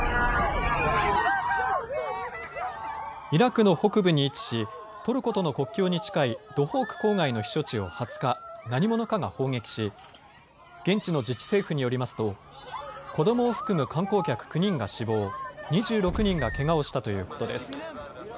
イラクの北部に位置しトルコとの国境に近いドホーク郊外の避暑地を２０日、何者かが砲撃し現地の自治政府によりますと子どもを含む観光客９人が死亡、２６人がけがをしたということです。